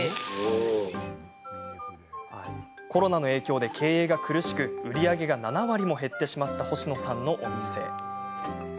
コロナの影響で経営が苦しく売り上げが７割も減ってしまった星野さんのお店。